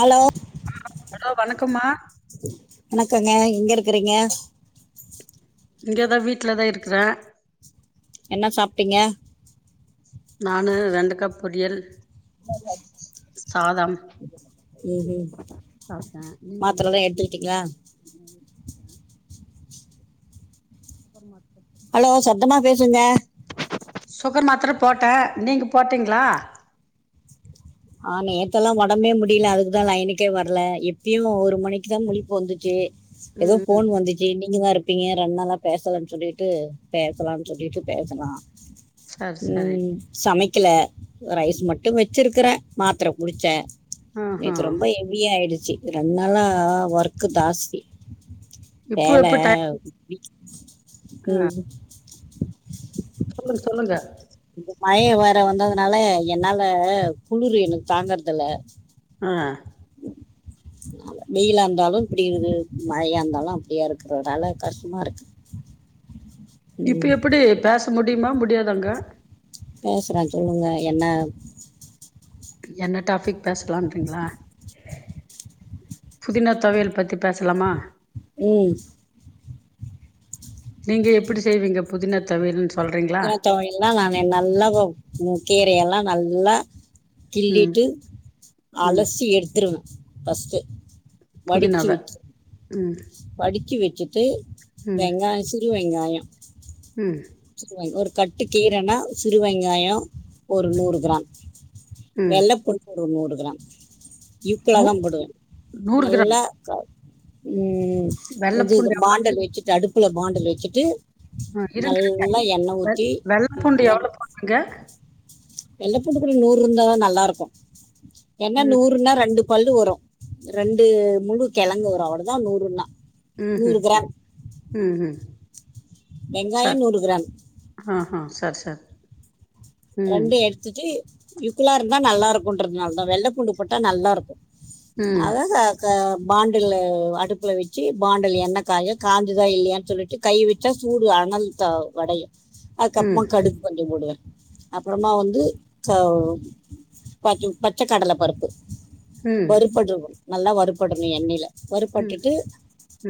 Hello hello hello வணக்கம்மா வணக்கங்க எங்க இருக்றீங்க இங்க தா வீட்ல தா இருக்ற என்ன சாப்டங்க நானு வெண்டக்கா பொடியல் [unintelligible] சாதம் ம் சாப்ட மாத்திரைலாம் எடுத்துக்கிட்டீங்களா அப்புற மட்டு ஹலோ சத்தமா பேசுங்க சுகர் மாத்திர போட்ட நீங்க போட்டங்ளா ஆ நேத்தெல்லா உடமே முடியல அதுக்குதா யனுக்கே வரல எப்யடியு ஒரு மணிக்குதா முழிப்பு ஒரு மணிக்கு தா வந்துச்சி ம் ஏதோ ம் போன் வந்து [unintelligible] நீங்கதா இருப்பீங்க ரெண்டு பேசலன்னு சொல்லிட்டு பேசலாம்னு சொல்லிட்டு பேசலா சரி சரி ம் சமைக்ல ரைஸ் மட்டு வச்சிருக்கற மாத்தர குடிச்ச ஆஹா நேத்து ரொம்ப ஹெவியா ஆயிடுச்சி ரெண்டு நாளா ஒர்க்க்கு தாஸ்தி இப்போ வேல எப்ப டைம் ஆ ம் சொல்லுங்க சொல்லுங்க இந்த மழை வேற வந்ததுனால என்னால குளிர் எ தாங்குறதுல ஆ [inaudible] வெயிலா இருந்தாலு இப்டி இருகு மழையா இருந்தாலு அப்டியா இருக்கு நல்ல கஷ்டமா இருக்கு இப்ப ம், எப்படி பேச முடியுமா முடியாதாங்க பேசுறே சொல்லுங்க என்ன என்ன டாபிக் பேசலாங்ரீங் ற புதினா தொவையல் பத்தி பேசலாமா ம் நீங்க எப்டி செய்வீங்க புதினா தொவையல் புதினாத்தொவையல் எல்லா நா நல்ல உ கீரை எல்லா நல்லா ம் கிள்ளிட்டு ம் அலசி எடுத்துருவே பஃஸ்ட்டு புதினாவ ம் படிக்கி வச்சிட்டு ம் வெங்காய சிறு வெங்காய ம் ச ஒரு கட்டு கீரைன்னா சிறு வெங்காய ஒரு நூறு கிராம் ம் வெள்ளைப்பூடு ஒரு நூறு கிராம் ஈக்வலா நூ தா போடுவே நூறு கிராம் நல்லா ம் வெள்ள இது பூண்டு எவ்ளோ? பாண்டல் வச்சுட்டு அடுப்புல பாண்டல் வச்சுட்டு ஆ இருங்க நல்லா எண்ணெய் வெ ஊற்றி வெள்ளை பூண்டு எவ்ளோ போண்ணுங்க வெள்ளைப்பூண்டுக்கு நூறு இருந்தா தா நல்லா இருக்கு என்ன ம். நூறுன்னா ரெண்டு பல்லு வரும் ரெண்டு முழு கிழங்கு வரும் அவளதா நூறுன்னா ம் நூறு கிராம் ம் வெங்காயம் நூறு கிராம் ஆஹ சர் சர் ரெண்டு எடுத்துட்டு ஈக்குளா இருந்தா நல்லா இருக்குன்றதுனால தா வெள்ளை பூண்டு போட்டா நல்லா இருக்கு ம். அவ சா பாண்டல் அடுப்புல வச்சு பாண்டல் என்னய காய காஞ்சதா இல்லையன்னு சொல்லிட்டு கைவிட்டா சூடு அனல் த அடையும் அதுக்கு ம். அப்புறமா கடுகு கொஞ்ச போடுவே அப்புறமா வந்து ப பச்சை கடலை பருப்பு ம். வறுப்படும் நல்லா வறுப்படணு எண்ணெயில ம். வறுப்பட்டுட்டு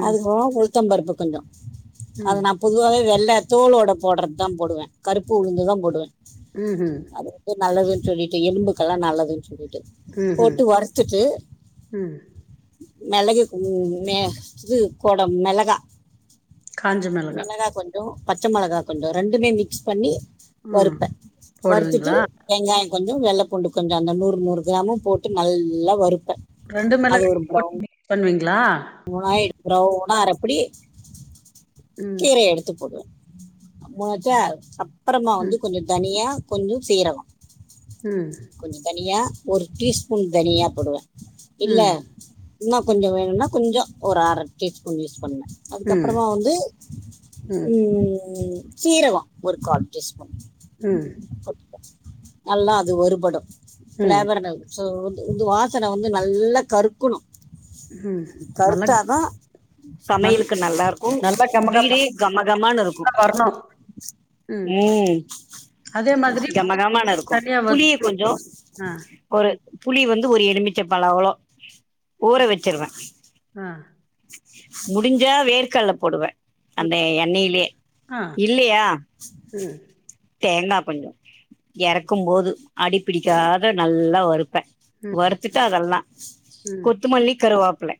ம். அதுவா உளுத்த பருப்பு கொஞ்ச அது ம். நா பொதுவாவே வெள்ளை தோளோட போடுறது தா போடுவே கருப்பு உளுந்து தா போடுவே ம் ம் அது வந்து நல்லதுன்னு சொல்லிட்டு எலும்புக்கெல்லா நல்லதுன்னு சொல்லிட்டு ம்ஹ்ம். போட்டு வருத்துட்டு ம். மிளகு இது கோட மிளகா காஞ்ச மிளகா. மிளகாய் கொஞ்ச பச்சை மிளகா கொஞ்ச ரெண்டுமே நல்ல மிக்ஸ் பண்ணி ம் வருத்துட்டு போடுவீங்களா? வெங்காய கொஞ்ச வெள்ளைப்பூண்டு கொஞ்ச அந்த நூறு நூறு கிராமும் போட்டு நல்லா வருப்பே ரெண்டு மிள போ [unintelligible] பண்ணுவீங்களா உணாய எடுக்கறோ உணா அரப்புடி ம். கீரைய எடுத்து போடுவே முணச்சா அப்புறமா வந்து ம். கொஞ்ச தனியா கொஞ்ச சீரகம் ம் கொஞ்ச தனியா ஒரு டீஸ்பூன் தனியா போடுவே இல்ல ம். இன்னும் கொஞ்ச ம். வேணும்னா கொஞ்ச ஒரு அரை டீஸ்பூன் யூஸ் பண்ணே ம். அதுக்கப்புறமா வந்து ம் ம் ம் ம் சீரகோ ஒரு கால் டீஸ்பூன் ம். நல்லா அது வருபடும் ம். ஃபிளேவர்னல் சோ வந்து வந்து வாசன வந்து நல்லா கறுக்கணு ம். நல்லா கருத்தா தா நல் சமையலுக்கு நல்லா இருக்கு நல்லா வீடே கமகமன்னு கமகமனு இருக்கும் வரணும். ம் அதே மாதிரி கமகமன்னு இருக்கும் தனியா வரும். புளிய கொஞ்சோ ஆ, ஒரு புளி வந்து ஒரு எலுமிச்சை பழ அவளோ ஆ, ஊற வச்சிருவே ஆ முடிஞ்சா வேர்கடல்ல போடுவே அந்த எண்ணெயிலயே ஆ, இல்லையா ம், தேங்காய் கொஞ்சோ எறக்கும் போது அடிபிடிக்காத நல்லா வருப்பே ம், வறுத்துட்டு அதெல்லா ம், கொத்துமல்லி கருவாப்பல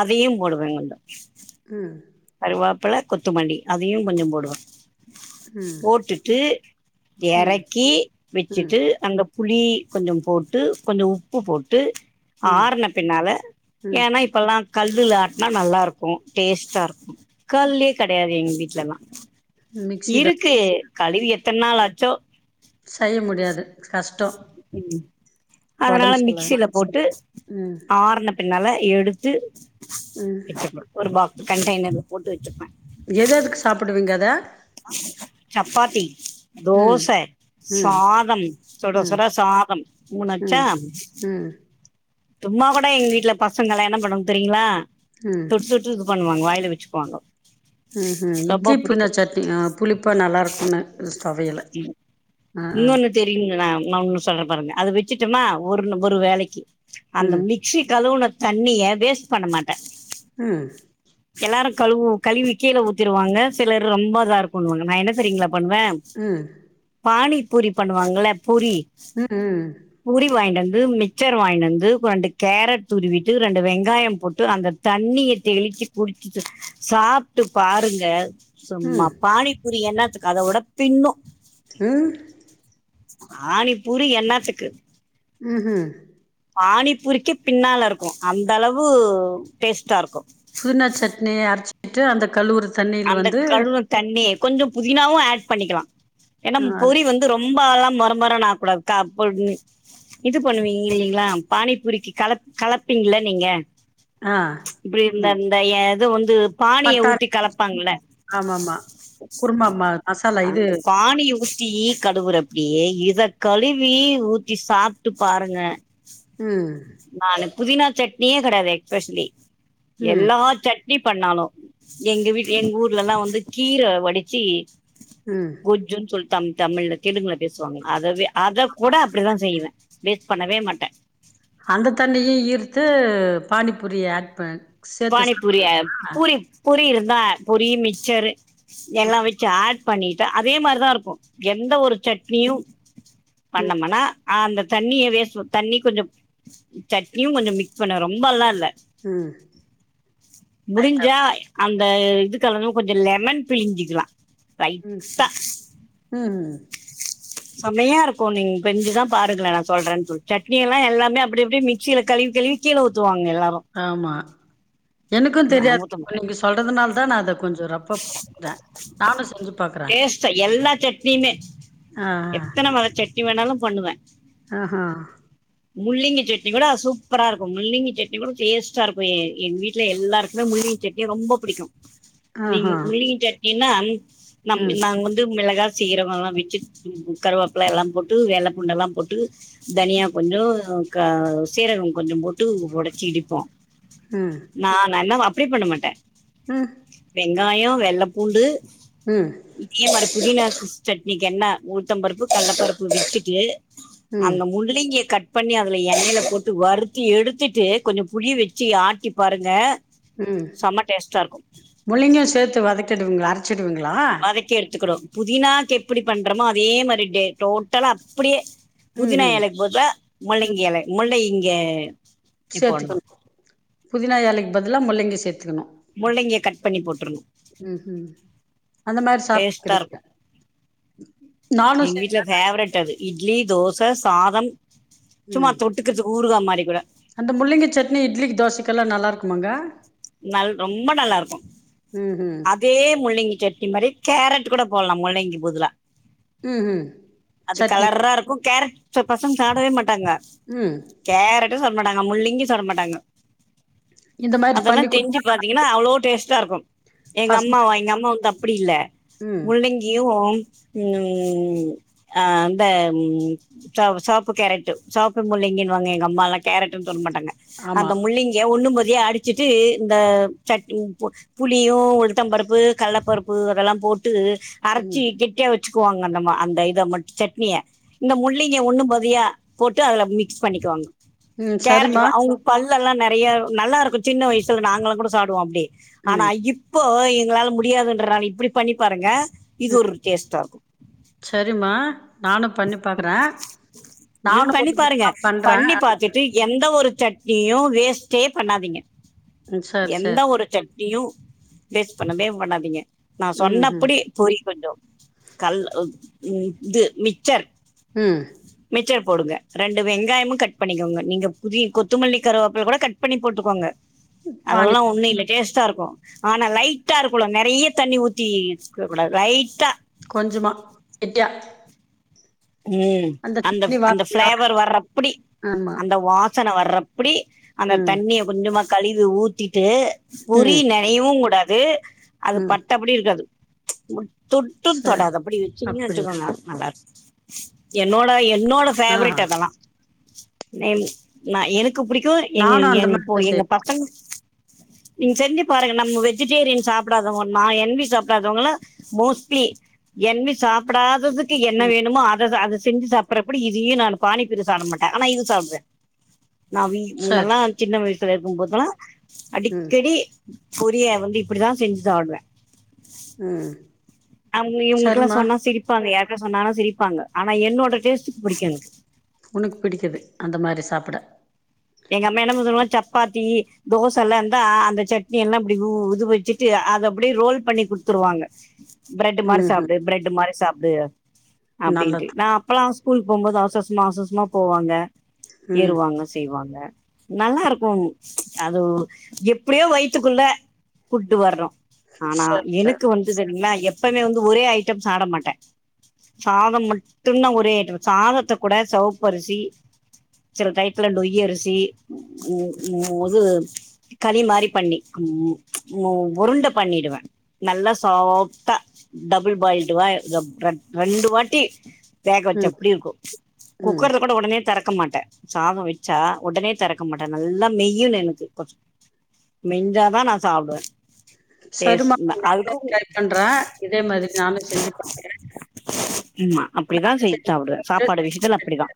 அதையு போடுவேங்கள ம் கருவாப்பல கொத்துமல்லி அதையு கொஞ்சோ போடுவே ம், போட்டுட்டு ம், எறக்கி ம், வச்சுட்டு அங்க புளி கொஞ்சோ போட்டு கொஞ்சோ உப்பு போட்டு ம், ஆறன பின்னால ம். ஏன்னா இப்பல்லா கல்லுல ஆட்டுனா நல்லா இருக்கு டேஸ்டா இருக்கும் கல்லே கெடையாது எங்க வீட்லல்லா மிக்ஸி தான். இருக்கு கழிவி எத்தனை நாள் ஆச்சோ செய்ய முடியாது கஷ்டோ ம் அதனால மிக்சியில போட்டு ம், ஆர்ன பின்னாலா எடுத்து ம். வச்சுப்பும் ஒரு பாக்ஸ் கண்டெய்னர்ல் போட்டு வச்சுப்பே எத எதுக்கு சாப்பிடுவீங்க அத சப்பாத்தி ம், தோச ம், சாதம் சுட ம், சுட சாதம் மூணாச்சா ம், ம், சும்மா கூட எங்க வீட்டுல பசங்க என்ன பண்ணு தெரியுங்களா ம். தொட்டு சூஸ் பண்ணுவாங்க வாய்ல இத வச்சுக்கு வாங்கோ ம் ம் இட்லி புதினா சட்னி புளிப்பாக நல்லாயிருக்கும்ன்னு தொவையல்லு ஆ ஆ தெரியுன்னு சொன்ன பாருங்க அதை வச்சுட்டன்னா ஒரு ஒரு வேலைக்கு அந்த ம், மி ச்சி கழுவுன தண்ணிய வேஸ்ட் பண்ண மாட்டே ம் எல்லாரு கழுவு கழவி கீழ ஊத்திர்வாங்க சிலர் ரொம்ப இதா இருக்குனுவாங்க நா என்ன தெரியுங்களா பண்ணுவே ம் பானிப் பூரி பண்ணுவாங்கல்ல பூரி ம் ம் பூரி வாங்கிண்டு வந்து மிக்சர் வாங்கின்னு வந்து ரெண்டு கேரட் துருவிட்டு ரெண்டு வெங்காயோ போட்டு அந்த தண்ணிய தெளிச்சு குடிச்சுட்டு சாப்ட்டு பாருங்க சும்மா ம் பானி பூரிய என்னாத்துக்கு அத விட பின்னூ ம் பானி பூரி என்னாத்துக்கு ம் ம் பானிப்பூரிக்கே பின்னால இருக்கு அந்த அளவு டேஸ்டாருக்கு புதினா சட்னிய அரச்சிட்டு அந்த கழுவுறுது அந்த கழுவுன தண்ணி கொஞ்ச புதினாவு ஆட் பண்ணிக்லா ஏன்னா ஆ அது பொரி வந் து ரொம்பல்லா மொற மொறனு ஆக கூடாது க ப் னு இது பண்ணுவிங்க இல்லிங்ளா பானிபூரிக்கு கல கலப்பிங்ள நீங்க ஆ இப்டி இந்த இந்த இது வந்து பானிய பட்டாணி ஊத்தி கலப் பாங்கள ஆமாமா குருமா மா மசாலா இது அந்த பானிய ஊத் தி கழுவுற அப்பியே இத கழுவி ஊத்தி சாப்ட்டு பாருங்க ம் நானு புதினா சட்னியே கெடையாது எஸ்பெஷலி ம் எல்லா சட் னி பண்ணாலு எங்க வீட் எங்க ஊர்லலா வந்து கீர வடிச்சு ம் கொஜ்ஜுன் சொல்லி தம் தமிழ்ல தெலுங்குல பேசுவாங்க அதவே அத கூட அப்டிதா செய்வே வேஸ்ட் பண்ணவே மாட்ட அந்த தண்ணியு இர்த்து பானிபூரிய ஆட் பண் பானிபூரிய பூரி பூரி இருந்தா பொரி மிக்சரு எல்லா வெச்சு ஆட் பண்ணிட்டு அதே மாரிதா இருக்கு எந்த ஒரு சட்னியு ம் பண்ணமனா அந்த தண்ணிய வேஸ் ப தண்ணி கொஞ்சொ சட்னியு கொஞ்ச மிக்ஸ் பண்வே ரொம்பெல்லா இல்ல ம் லைட்டா முடிஞ்சா அந்த இதுக்கலாம கொஞ்சொ லெமன் பிழிஞ்சிக்லா ம் ம் ம் ம் செமையா இருக்கு நீங்க செஞ்சுதா பாருங்களே நா சொல்றன் சொல்லி சட்னி எல்லா எல்லாமே அப்டி அப்டி மிக்சில கழுவி கழுவி கீழ ஊத்துவாங்க எல்லாரு ஆமா எனக்கு நா தெரியாது ஊத்த இப்ப மாட்டே நீங்க சொல்றதுனாலதா நா அத கொஞ்ச ரொம் டேஸ்ட்டா எல்லா சட்னியுமே ஆ எத்தன வக சட்னி வேணாலு பண்ணுவே அ ஹ முள்ளிங்கி சட்னி கூட சூப்பரா இருக்கு முள்ளிங்கி சட்னி கூட டேஸ்ட்டார்க்கு எ எங்க வீ்ட்ல எல்லாருக்குமே முள்ளிங்கி சட்னி ரொம்ப புடிக்கு நீங்க ஆஹா மிள்ளங் சட்னின்னா நம் ம் நாங்க வந்து மிளகா சீரக எல்லா வெச்சு கருவேப்பல எல்லா போட்டு வெள்ள பூண்டெலா போட்டு தனியா கொஞ்சொ க சீரகொ கொஞ்சொ போட்டு ஒடச்சி இடிப்போ ம் நா நல்ல அப்டி பண்ண மாட்ட ம் வெங்காய வெள்ளப்பூண்டு ம் இதே மாரி புதினா சட்னிக்கு என்ன உளுத்தம்பருப்பு கடல பருப்பு விட்டுட்டு ம் அந்த முள்ளிங்கிய கட் பண்ணி அதுல எண்ணெயில போட்டு வறுத்தி எடுத்திட்டு கொஞ்ச புளி வெச்சு ஆட்டி பாருங்க செம டேஸ்டா இருக்கு முள்ளங்கியு சேத்து வதக்கிடுவிங்ளா அரச்சிடுவிங்ளா வதக்கி எடுத்துக்கனு புதினாக்கு எப்டி பண்றோமோ அதே மாரி டே டோட்டலா அப்படியே ம் புதினா ம் எலைக்கு பதுல ம் முள்ளங்கி எல முள்ளங்கி சேத்துக்கணு புதினா எலைக்கு பதிலா முள்ளங்கி சேத்துக்கணு முள்ளங்கிய கட் பண்ணி போற்று ம் ம் அந்த மாரி டேஸ்ட்டா சாப்ட்டுக்கிறீங்க இருக்கு நானு எங்க வீட்ல செய்வே ஃபேவரட் அது இட்லி தோச சாதம் சும்மா ம் தொட்டுக்குரதுக்கு ஊருக்கா மாரி கூட அந்த முள்ளங்க சட்னி இட்லிக்கு தோசைக்குல்லா நல்லா இருக்குமாங்க நல் ரொம்ப நல்லா இருக்கு அத் ம் ம் அதே முள்ளங்கி சட்னி மாரி கேரட் கூட போட்லா முள்ளங்கி புதுலா ம் ம் அது சட்னி கலர்ரா இருக்கு கேரட் ச்ச பசங்க சாப்டவே மாட்டாங்க ம் கேரட்டு சாப்ட மாட்டாங்க முள்ளங்கி சாப்ட மாட்டாங்க இந்த மாரி அதெல்லா பண்ணி குடுத்தா செஞ்சு பாத்தீங்கன்னா அவ்ளோ டேஸ்ட்டா இருக்கு எங்க பசங்க அம்மாவா எங்க அம்மா வந்து அப்படி இல்ல ம் முள்ளங்கியு ம் அ அந்த ம் சவ் செவப்பு கேரட்டு செவப்பு முள்ளிங்கின்னுவாங்க எங்க அம்மாலா கேரட்டுன்னு சொல்ல மாட்டாங்க ஆமா அந்த முள்ளங்கிய ஒண்ணும்பாதியா அடிச்சுட்டு இந்த சட்டின் போட் புளியு உளுத்தம் பருப்பு கல்லப்பருப்பு அதெல்லா போட்டு அரச்சி ம் கெட்டியா வச் சுக்குவாங்க நம்ம அந்த இத மட்டு சட்னிய இந்த முள்ளங்கிய ஒண்ணும் பாதியா போட்டு அதுல மிக்ஸ் பண்ணிக்குவாங்க ம் சரிம்மா கேரட்டு அவுங்க பல்லெல்லா நெறையா நல்லா இருக்கு சின்ன வயசுல நாங்களா கூட சாப்டுவோ அப்டி ஆனா ம் இப்போ எங்களால முடியாதுன்றனால இப்படி பண்ணி பாருங்க இது ம் ஒரு டேஸ்ட்டா இருக்கு சரிம்மா நானு பண்ணி பாக்குறே ம் நானும் பண்ணி ஒரு பாருங்க விதமா பண்றேன். பண்ணி பாத்துட் டு எந்த ஒரு சட்னியு வேஸ்ட்டே பண்ணாதீங்க ம் சரி, எந்த சரி. ஒரு சட்னியு வேஸ்ட் பண்ணவே பண்ணாதீங்க நா‌ ம்ஹ்ம். சொன்னப்புடி பொறிக் கொஞ்சோ கல் உ ம் இது மிச்சர் ம் மிச்சர் போடுங்க ரெண்டு வெங்காயமு கட் பண்ணிக்கோங்க நீங்க புதி கொத்தமல்லி கருவப்பல கூட கட் பண்ணி போட்டுக்கோங்க பானி அதல்லா ஒன்னு இல்ல டேஸ்ட்டா இருக்கு ஆனா லைட்டா இருக்கலு நறைய தண்ணி ஊத்திஇருக்க கூடாது லைட்டா கொஞ்சமா கெட்டியா ம் அந்த சட்னி அந்த வாசனையோட. ஃபிளேவர் வர்றப்பிடி ஆமா. அந்த வா சன வர்றப்பிடி அந்த ம். தண்ணிய கொஞ்சமா கழுவி ஊத்திட்டு புரி ம். ந னைவு கூடாது அது ம். பட்டபடி இருக்காது தொட்டு சரி. தொடாதபடி வச்சிங்கனு அப்படியா? வச்சக்கோங்க நல்லா இருக் என்னோட என்னோட ஆஹா. ஃபேவரெட் அதல்லா நென் நா எனக் கு புடிக்கு எங்க நானும் அந்த எங்க மாரி போ தான் எங்க செய்வேன். பசங்க நீங்க செஞ்சு பாருங்க நம்ம வெஜிடேரியன் சாப்படாதவங்கன் நா என் வி சாப்டாதவங்களா மோஸ்ட்லி என் வி சாப்டாததுக்கு என்ன வேணுமோ அ அததா அத செஞ்சு சாப்புறப்புடி இதையு நானு பானி பூரி சாப்ட மாட்ட ஆனா இது சாப்டுவ நா‌ வீ முன்னல்லா சரி. சின்ன வயசுல இருக்கும்போதல்லா ம். அடிக்கடி பொரிய வந்து இப்டிதா செஞ்சு சாப்டுவ ம் அவுங்க இவுங்கலுக்லா சரிம்மா. சொன்னா சிரிப்பாங்க யாருக்னா சொன்னாங்கனா சிரிப்பாங்க ஆனா என்னோட டேஸ்டுக்கு பிடிக்கு எனக்கு உனக்கு பிடிக்குது அந்த மாரி சாப்பட எங்க அம்மா என்னத்தெமா சுடுவாங் சப்பாத்தி தோசல்லா இருந்தா அந்த சட்னி எல்லா அப்டி உ இது வச்சுட்டு அத அப்டியே ரோல் பண்ணி குடுத்துருவாங்க பிரெட் மாரி ம்ஹ்ம். சாப்டு பிரெட் மாரி சாப்டு அப்டின்ட்டு நல்லது. நா அப்பலா ஸ்கூலுக்கு போம்போது அவசரவசமா அவசரவசமா போவாங்க ம். ஏறுவாங்க செய்வாங்க நல்லா இருக்கு அது எப்டியோ வயித்துக்குள்ள புட்டு வரணு ஆனா சரி, சரி. எனக்கு வந்து சரிங்களா எப்பவுமே வந்து ஒரே ஐட்டம் சாட மாட்ட சாதம் மட்டுந்தா ஒரே ஐட்டம் சாதத்த கூட செவப்பரிசி சில டயத்துல நொய் அரிசி உ உ ஒது கலி மாரி பண்ணி உ உருண்ட பண்ணிடுவே நல்லா சாஃப்டா டபுள் பாயில்டு வா ர ரெண்டு வாட்டி வேக வச்சா ம். அப்டி இருக்கு ம். குக்கர்ல கூட உடனே திறக்க மாட்டே சாதோ வச்சா உடனே தெறக்க மாட்டே நல்லா மெய்யனு எனக்கு கொஞ்ச மெஞ்சாதா நா சாப்டுவே டேஸ்ட் சரிமா நானு அதுக்கு ட்ரை பண்றே இதே மாரி நானு செஞ்சு பாக்குறே ம்மா அப்டிதா செய்து சாப்புடுவே சாப்பாடு விஷயத்துல அப்படிதா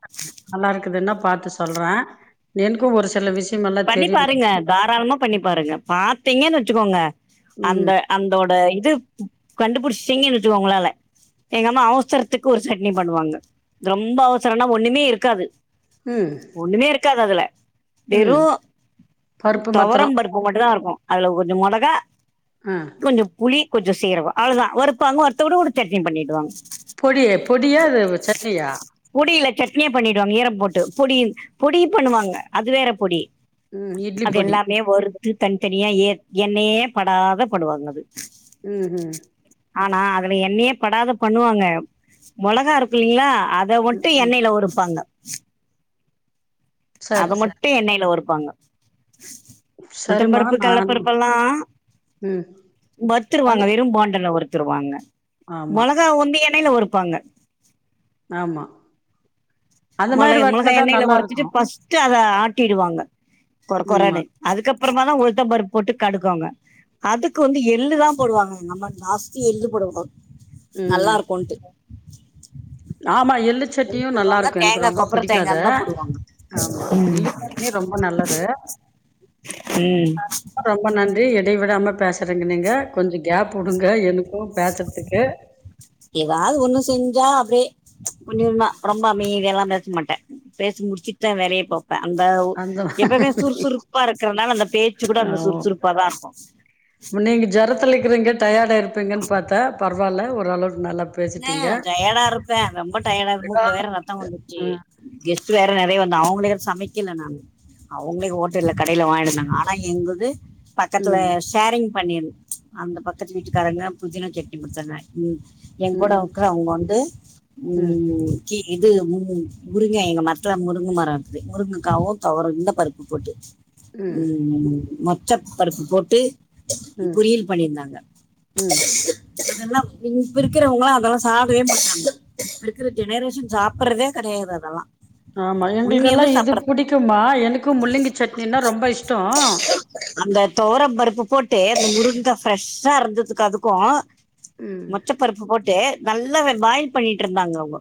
நல்லா இருக்குதுன்னா பாத்து சொல்றே எனக்கு ஒரு சில விஷ பண்ணி பாருங்க தாராளமா பண்ணி பாருங்க பாத்தீங்கன்னு வச்சுக்கோங்க அந்த ம் அந்தோட இது கண்டுபுடிச்சிடீங்கன்னு வச்சிகோ உங்களால எங்க அம்மா அவசரத்துக்கு ஒரு சட்னி பண்ணுவாங்க ரொம்ப அவசரன்னா ஒண்ணுமே இருக்காது ம் ஒண்ணுமே இருக்காது அதுல வெறு ம் பருப்பு மத்தரோ துவரம் பருப்பு மட்டுந்தா இருக்கோ அதுல கொஞ்ச மொளகா ஆ கொஞ்ச புளி கொஞ்ச சீரகோ அவ்ளதா வறுப்பாங்க வறுத்துகூட ஒரு சட்னி பண்ணிடுவாங்க பொடி பொடியா அது சட்னியா பொடி இல்ல சட்னியா பண்ணிடுவாங்க ஈரம் போட்டு பொடி பொடி பண்ணுவாங்க அது வேற பொடி ம் இட்லி அது பொடி எல்லாமே வறுத்து தனித்தனியா ஏ எண்ணையே படாத படுவாங்க அது ம் ம் ஆனா அதுல எண்ணையே படாத பண்ணுவாங்க மொளகா இருக்கு இல்லீங்களா அ த ம் மட்டு ம் எண்ணெயில வறுப்பாங்க சரி அத சரி மட்டு எண்ணெயில வறுப்பாங்க சரிம்மா உளுத்தம்பருப்பு நான் கள்ளப்பருப்பல்லா ம் வறுத்துருவாங்க அது வெறு பாண்டுல வறுத்துருவாங்க ஆமா மொளகாவ வந்து எண்ணெயில வருப்பாங்க ஆமா அந்த மாரி மொளய மொளகாய வச்சாதா எண்ணெயில நல்லா இருக்கு ஒரச்சிட்டு ஃபஸ்ட்டு அத ஆட்டிடுவாங்க கொர ம்மா கொரனு அதுக்கப்பறமா தா உளுத்தம்பருப் போட்டு கடுக்குவாங்க அதுக்கு வந்து எள்ளு தா போடுவாங்க எங்கம்மா ஜாஸ்தி எள்ளு போடுவாங்க நல்லா ம் இருக்கோன்ட்டு ஆமா எள் எள்ளு சட்னியு நல்லா போடுவாங்க இருக்கு எனக்கு தேங்கா ரொம்ப கொப்பர பிடிக்கு தேங்கா அது இருந்தா போடுவாங்க ஆமா ம் எள்ளு சட்னி ரொம்ப நல்லது ம் ரொம்ப நன்றி இடை விடாம பேசுறீங்க நீங்க கொஞ்ச கேப் உடுங்க எனக்கு பேசுறதுக்கு ஏவாது ஒன்னு செஞ்சா அப்டியே ஒன்னே ஒன்னா ரொம்ப அமைதியாலா பேச மாட்டே பேசி முடிச்சிட்டுதா வேலைய பாப் அந்த அந்த எப்பவுமே சுறுசுறுப்பா இருக்கறனால அந்த பேச்சு கூட அந்த ஆமா. சுறுசுறுப்பா தா இருக்கு நீங்க ஜொரத்துல இக்குறீங்க டயர்டா இருப்பீங்கன்னு பாத்தா பரவாயில்ல ஓரளவுக்கு நல்லா ஆ பேசிட்டீங்க. டயர்டா இருப்பே ரொம்ப டயர்டாருக்கு மூக்குல வேற ரத்த வந்துருச்சு ம், கெஸ்ட் வேற நெறைய வந்தா அவங்கள சமைக்கல நா அவுங்களே ஹோட்டல்ல கடைல வாங்கினு வந்தாங்க ஆனா எங்குது பக்கத்துல ம், ஷேரிங் பண்ணிரு அந்த பக்கத்து வீட்டுக்காரங்க புதினா கட்டு பத்திங்கானா ம் எ கூட ம், உக்க அவங்க வந்து ம் கி இது ம் முருங்கை எங்க மரத்ல முருங்க மர இருக்து முருங்கக்காவு தொவர இந்த பருப்பு போட்டு ம் மொச்சப்பருப்பு போட்டு ம், பொரியல் பண்ணியிருந்தாங்க ம். அதெல்லா இப்ப இருக்கிறவங்களா அதெல்லா சாப்டவே மாட்டாங்க இப்ப இருக்கிற ஜெனரேஷன் சாப்புடறதே கெடையாது அதெல்லா ஆமா எங்களுக்கெல்லா இது பிடிக்குமா எனக்கு முள்ளங்கி சட்னினா ரொம்ப இஷ்ட அந்த தொவர பருப்பு போட்டு அந்த முருங்கா ஃப்ரெஷ்ஷா இருந்ததுக்கு அதுக்கு ம் பச்சப்பருப்பு போட்டு நல்லா பாயில் பண்ணிட்டு இருந்தாங்க அவங்க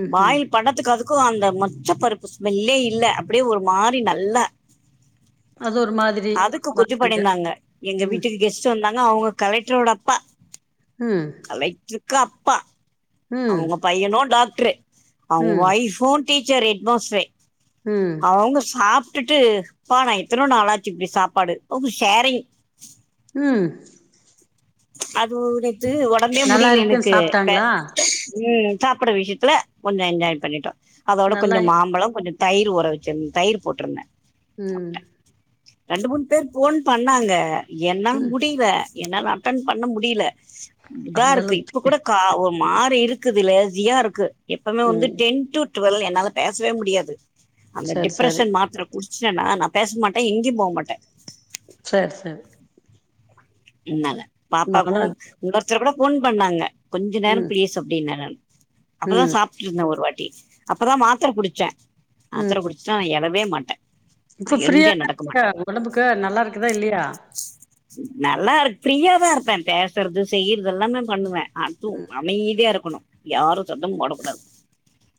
ம்ஹ்ம். பாயில் படத்துக்கு அதுக்கு அந்த மொச்ச பருப்பு ஸ்மெல்லே இல்ல அப்டியே ஒரு மாரி நல்ல அது ஒரு மாதிரி அதுக்கு கொச்சு வாசனையா. பண்ணிருந்தாங்க எங்க ம், வீட்டுக்கு கெஸ்ட் வந்தாங்க அவங்க கலெக்ரோட அப்பா ம் கலெக்ருக்கு அப்பா அவங்க ம், பையனு டாக்டரு அவங்க ம், வைஃபு டீச்சர் எட்மாஸ்ரே ம் அவங்க சாப்ட்டுட்டு பா நா எத்தனோ நாளாச்சு இப்டி சாப்பாடு உ ஷேரிங் ம் அது ஒரு இது ஒடம்பே நல்லா முடில இருக்குன்னு எனக்கு சாப்ட்டாங்களா ம் சாப்ற விஷயத்துல கொஞ்ச என்ஜாய் பண்ணிட்டோ அதோட நல்லா கொஞ்ச மாம்பழ கொஞ்ச தயிர் ஊற வச்சிருந்த தயிர் போட்டிருந்தே ம் ரெண்டு மூணு பேர் போன் பண்ணாங்க என்னால் ம் முடில என்னா டன் பண்ண முடியலா இதா அந்த இருக்கு இப்ப அளவுக்கு கூட கா ஒரு மாறி இருக்குது லேசியா இருக்கு எப்போமே வந்து ம் டென் டு ட்வெல் என்னால பேசவே முடியாது அந்த சரி சரி டிப்ரஷன் மாத்ர முடிச்டனா நா பேச மாட்டே எங்யு போ மாட்டே சேர் சேர் னால பாப்பாக்கு நானா இனோருத்தர் கூட போன் பண்ணாங்க கொஞ்ச நேர ம் ப்ளிஸ் அப்டின்னே நானு அப்பதா ம் சாப்ட்டுருந்தே ஒரு வாட்டி அப்பதா மாத்ர குடிச்சே மாத்ர ம் குடிச்சுட்டா நா எழவே மாட்டே நா இப்ப ஃப்ரீயா எழுந்தே நடக்க இருக்கா? மாட்டே ஒடம்புக்கு நல்லாருக்குதா இல்லையா நல்லா இருக்கு ஃப்ரீயாதா இருப்பே பேசுறது செய்யறது எல்லாமே பண்ணுவே அட்டு அமைதியா இருக்கணு யாரு சந்தம் போட கூடாது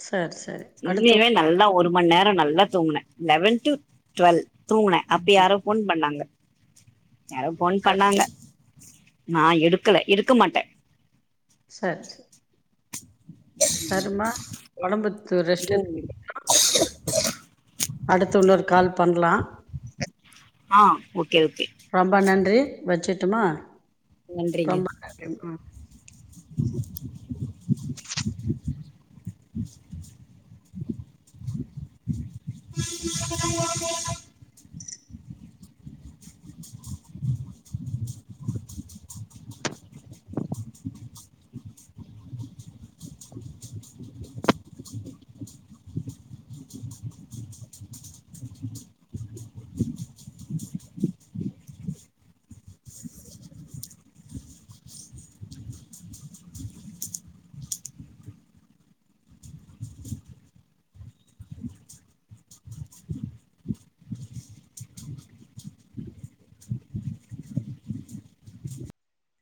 சரி சரி அடுத்து ஒரு நல்லா ஒரு மண் நேர நல்லா தூங்குனே லெவன் டு டுவெல் தூங்குனே அப்ப யாரோ போன் பண்ணாங்க யாரோ போன் பண்ணாங்க நா எடுக்கல எடுக்க மாட்டே சர் ச சருமா ஒடம்புத்தூர் ரெஸ்ட் ம். அடுத்து இன்னொரு கால் பன்லா ஆ ஓகே ஓகே ரொம்ப நன்றி வச்சுட்டுமா நன்றிங்க. ரொம்ப நன்றிமா